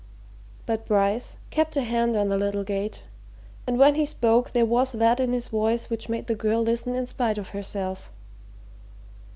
But Bryce kept a hand on the little gate, and when he spoke there was that in his voice which made the girl listen in spite of herself.